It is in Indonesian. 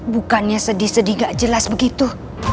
bukannya sedih sedih gak jelas begitu